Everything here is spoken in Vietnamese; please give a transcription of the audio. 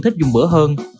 thích dùng bữa hơn